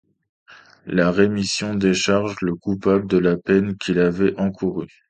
La rémission décharge le coupable de la peine qu'il avait encourue.